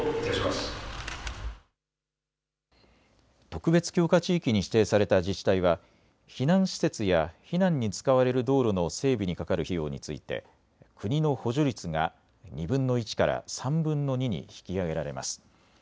特別強化地域に指定された自治体は避難施設や避難に使われる道路の整備にかかる費用について国の補助率が２分の１から３分の２に引き上げられます。